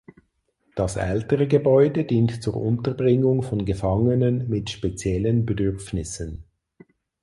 Das ältere Gebäude dient zur Unterbringung von Gefangenen mit „speziellen Bedürfnissen“.